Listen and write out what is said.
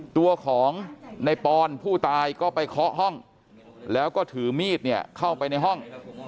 ตัวของในปอนผู้ตายก็ไปเคาะห้องแล้วก็ถือมีดเนี่ยเข้าไปในห้อง